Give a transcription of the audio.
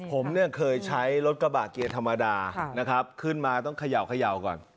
ผมเนี่ยเคยใช้รถกระบะเกียร์ธรรมดานะครับขึ้นมาต้องเขย่าก่อน